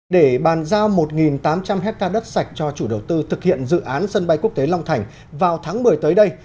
để bàn giao một tám trăm linh hectare đất sạch cho chủ đầu tư thực hiện dự án sân bay quốc tế long thành vào tháng một mươi tới đây